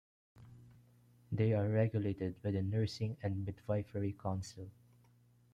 They are regulated by the Nursing and Midwifery Council.